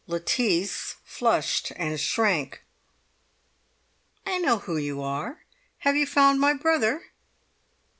Lettice flushed and shrank. "I know who you are! Have you found my brother?"